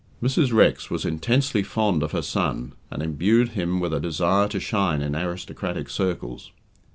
Mrs. Rex was intensely fond of her son, and imbued him with a desire to shine in aristocratic circles.